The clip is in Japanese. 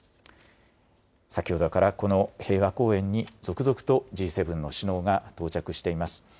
先ほどからこの平和公園に続々とＧ７の首脳が到着しています。